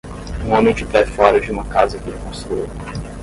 um homem de pé fora de uma casa que ele construiu